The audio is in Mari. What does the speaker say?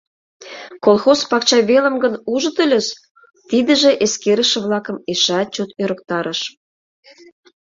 Колхоз пакча велым гын, ужыт ыльыс?» — тидыже эскерыше-влакым эшеат чот ӧрыктарыш.